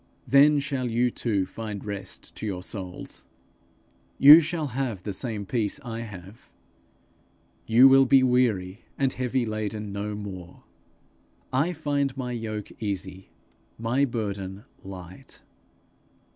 Then shall you too find rest to your souls; you shall have the same peace I have; you will be weary and heavy laden no more. I find my yoke easy, my burden light.'